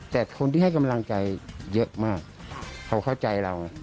แต่คนที่ให้กำลังใจเยอะมากเขาเข้าใจเราไง